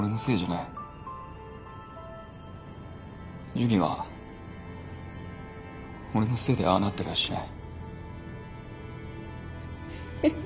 ジュニは俺のせいでああなったりはしない。